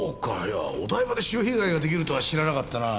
いやあお台場で潮干狩りが出来るとは知らなかったな。